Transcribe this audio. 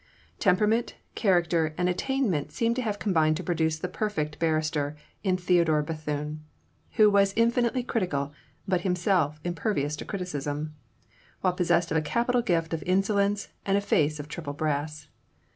Temperament, character, and attainment seemed to have combined to produce the perfect barrister in Theodore Bethune, who was infinitely critical but himself impervious to criticism, while possessed of a capital gift of insolence and a face of triple brass.